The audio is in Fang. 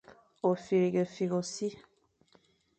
Ôfîghefîkh ô sir.